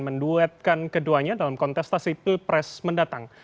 menduetkan keduanya dalam kontestasi pilpres mendatang